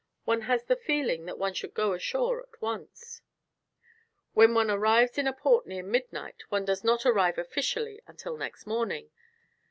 One has the feeling that one should go ashore at once." "When one arrives in a port near midnight, one does not arrive officially until next morning.